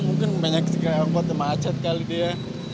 mungkin banyak sekali yang buat macet kali dia